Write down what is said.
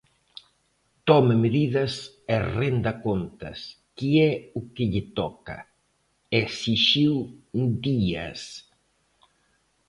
"Tome medidas e renda contas, que é o que lle toca", esixiu Díaz.